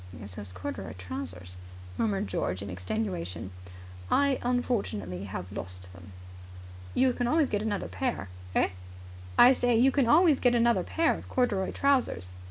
"It's those corduroy trousers," murmured George in extenuation. "I have unfortunately lost them." "You can always get another pair." "Eh?" "I say you can always get another pair of corduroy trousers."